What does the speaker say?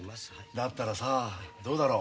だったらさどうだろう？